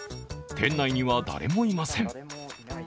店内には誰もいません。